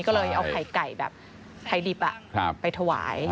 ก็เลยเอาไข่ไก่แบบไทยดิบไปถวาย